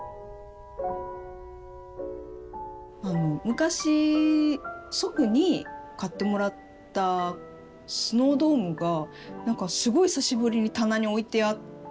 昔祖父に買ってもらったスノードームが何かすごい久しぶりに棚に置いてあって。